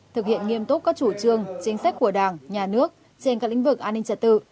thực hiện nghiêm túc các chủ trương chính sách của đảng nhà nước trên các lĩnh vực an ninh trật tự